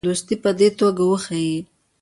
دوستي په دې توګه وښیي.